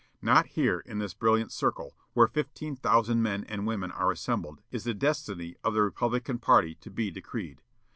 Not here in this brilliant circle, where fifteen thousand men and women are assembled, is the destiny of the Republican party to be decreed.